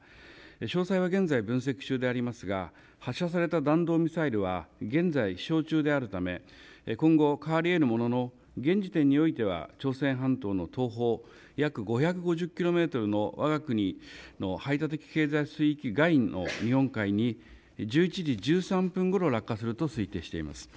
詳細は現在、分析中でありますが発射された弾道ミサイルは現在、飛しょう中であるため今後、変わりうるものの現時点においては朝鮮半島の東方約５５０キロメートルのわが国の排他的経済水域外の日本海に１１時１３分ごろ落下すると推定しています。